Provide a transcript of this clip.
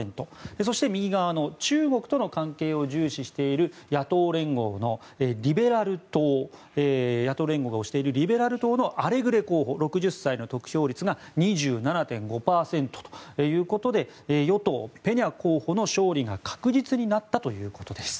そして右側の中国との関係を重視している野党連合が推しているリベラル党アレグレ候補、６０歳の得票率が２７．５％ということで与党ペニャ候補の勝利が確実になったということです。